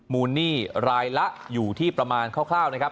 หนี้รายละอยู่ที่ประมาณคร่าวนะครับ